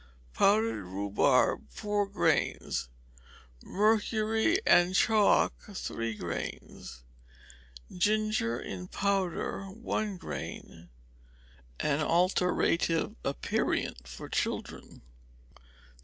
Powdered rhubarb, four grains; mercury and chalk, three grains; ginger in powder, one grain: an alterative aperient for children.